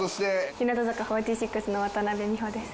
日向坂４６の渡邉美穂です。